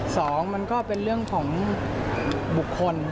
สองมันก็เป็นเรื่องของบุคคล